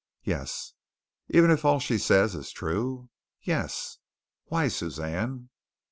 "Yes." "Even if all she says is true?" "Yes." "Why, Suzanne?"